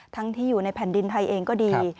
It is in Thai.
ที่อยู่ในแผ่นดินไทยเองก็ดี